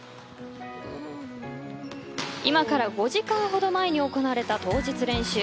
今から５時間ほど前に行われた当日練習。